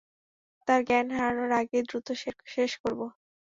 তার জ্ঞান হারানোর আগেই দ্রুত শেষ করব।